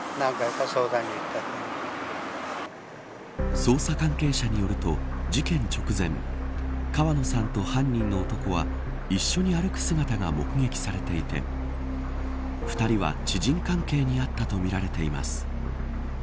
捜査関係者によると事件直前川野さんと犯人の男は一緒に歩く姿が目撃されていて２人は知人関係にあったとみられています。